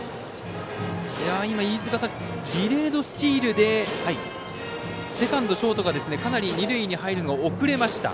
今、ディレードスチールでセカンド、ショートがかなり二塁に入るのが遅れました。